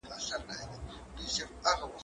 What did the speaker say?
زه له سهاره انځورونه رسم کوم؟!